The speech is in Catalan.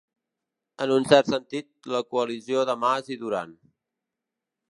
En un cert sentit, la coalició de Mas i Duran.